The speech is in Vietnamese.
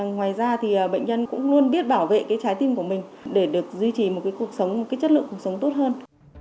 ngoài ra thì bệnh nhân cũng luôn biết bảo vệ cái trái tim của mình để được duy trì một cuộc sống một cái chất lượng cuộc sống tốt hơn